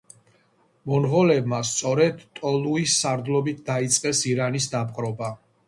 მონღოლებმა სწორედ ტოლუის სარდლობით დაიწყეს ირანის დაპყრობა.